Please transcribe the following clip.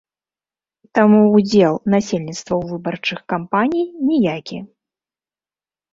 Таму ўдзел насельніцтва ў выбарчых кампаній ніякі.